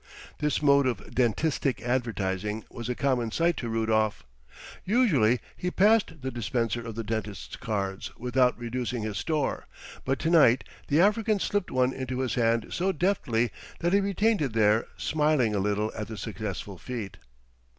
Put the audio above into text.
This mode of dentistic advertising was a common sight to Rudolf. Usually he passed the dispenser of the dentist's cards without reducing his store; but tonight the African slipped one into his hand so deftly that he retained it there smiling a little at the successful feat.